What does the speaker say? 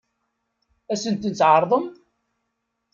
Ad sen-ten-tɛeṛḍem?